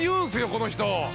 この人！